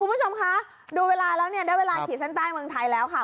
คุณผู้ชมคะดูเวลาแล้วเนี่ยได้เวลาขีดเส้นใต้เมืองไทยแล้วค่ะ